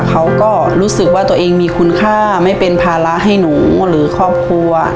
เขาก็รู้สึกว่าตัวเองมีคุณค่าไม่เป็นภาระให้หนูหรือครอบครัว